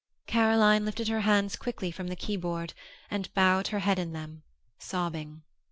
_ Caroline lifted her hands quickly from the keyboard, and she bowed her head in them, sobbing.